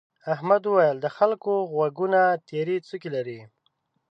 احمد وويل: د خلکو غوږونه تيرې څوکې لري.